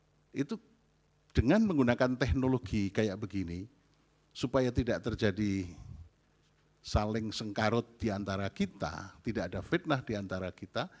jadi dengan menggunakan teknologi kayak begini supaya tidak terjadi saling sengkarut diantara kita tidak ada fitnah diantara kita